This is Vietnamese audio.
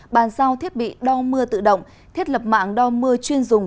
bàn giao thiết bị đo mưa tự động thiết lập mạng đo mưa chuyên dùng